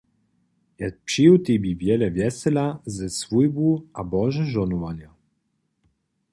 Ja přeju Tebi wjele wjesela ze swójbu a bože žohnowanje.